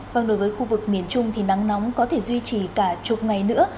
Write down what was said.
vâng đối với khu vực miền trung thì nắng nóng có thể duy trì cả chục ngày nữa